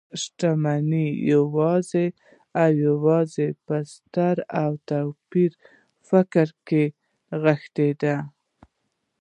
شتمنۍ يوازې او يوازې په ستر او توپيري فکر کې نغښتي ده .